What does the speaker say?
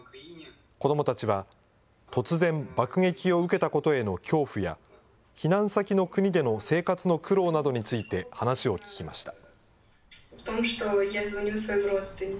子どもたちは、突然、爆撃を受けたことへの恐怖や、避難先の国での生活の苦労などについて話を聞きました。